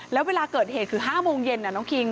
แล้วเวลาเกิดเหตุคือ๕โมงเย็นน้องคิง